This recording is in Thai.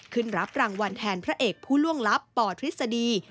รับรางวัลแทนพระเอกผู้ล่วงลับปทฤษฎี